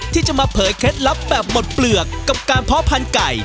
ที่จะมาเผยเคล็ดลับแบบหมดเปลือกกับการเพาะพันธุ์ไก่